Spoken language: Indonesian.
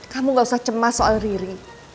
kamu gak usah cemas soal riri